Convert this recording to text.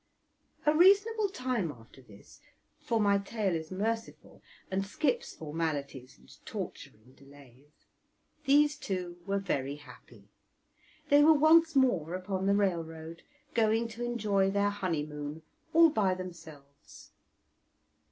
A reasonable time after this (for my tale is merciful and skips formalities and torturing delays) these two were very happy; they were once more upon the railroad, going to enjoy their honeymoon all by themselves.